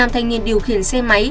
năm thanh niên điều khiển xe máy